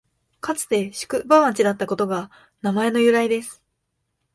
かつて宿場町だったことが名前の由来です